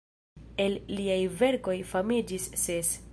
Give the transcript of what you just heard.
El liaj verkoj famiĝis ses.